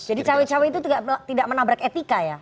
jadi cewek cewek itu tidak menabrak etika ya